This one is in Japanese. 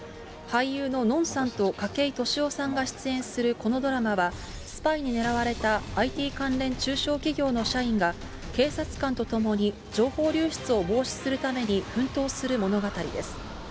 俳優ののんさんと筧利夫さんが出演するこのドラマは、スパイに狙われたＩＴ関連中小企業の社員が、警察官とともに、情報流出を防止するために奮闘する物語です。